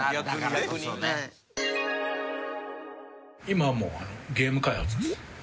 今はもうゲーム開発です。